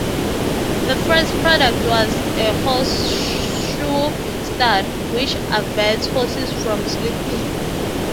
The first product was a horseshoe stud, which averts horses from slipping.